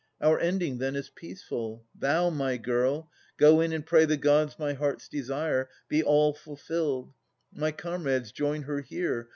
Our ending, then, is peaceful. Thou, my girl, Go in and pray the Gods my heart's desire Be all fulfilled. My comrades, join her here.